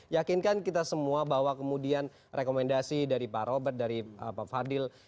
yakinkan kita semua bahwa kemudian rekomendasi dari pak robert dari pak fadil